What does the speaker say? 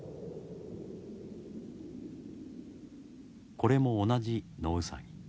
これも同じ野ウサギ。